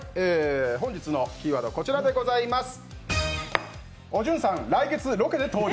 本日のキーワードはこちらでございます。